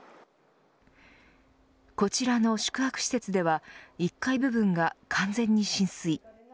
こちらの宿泊施設では１階部分が完全に浸水。